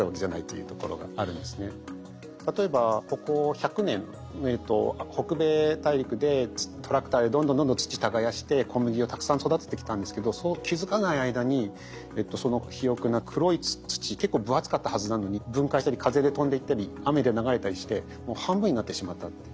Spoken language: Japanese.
別に例えばここ１００年北米大陸でトラクターでどんどんどんどん土耕して小麦をたくさん育ててきたんですけど気付かない間にその肥沃な黒い土結構分厚かったはずなのに分解したり風で飛んでいったり雨で流れたりしてもう半分になってしまったって。